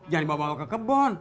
jangan bawa bawa ke kebon